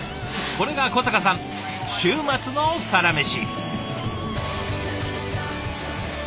これが小坂さん週末のサラメシ。